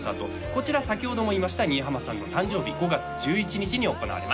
こちら先ほども言いました新浜さんの誕生日５月１１日に行われます